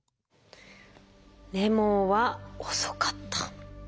レモンは遅かった。